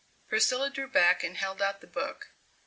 Priscilla drew back and held out the book.